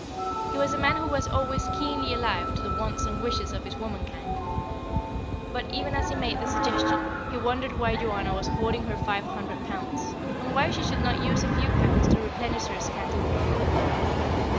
He was a man who was always keenly alive to the wants and wishes of his womankind. But even as he made the suggestion, he wondered why Joanna was hoarding her five hundred pounds, and why she should not use a few pounds to replenish her scanty wardrobe.